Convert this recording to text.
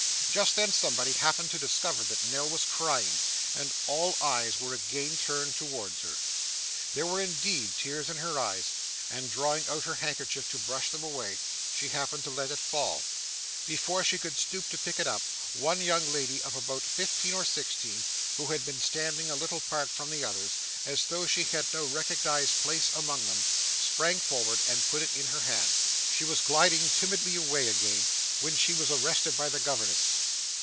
Just then somebody happened to discover that Nell was crying, and all eyes were again turned towards her. There were indeed tears in her eyes, and drawing out her handkerchief to brush them away, she happened to let it fall. Before she could stoop to pick it up, one young lady of about fifteen or sixteen, who had been standing a little apart from the others, as though she had no recognised place among them, sprang forward and put it in her hand. She was gliding timidly away again, when she was arrested by the governess.